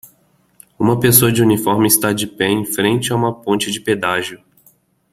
Uma pessoa de uniforme está de pé em frente a uma ponte de pedágio